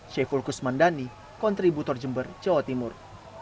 syekh fulkus mandani kontributor jember jawa timur